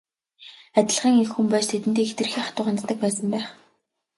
Адилхан эх хүн байж тэдэндээ хэтэрхий хатуу ханддаг байсан байх.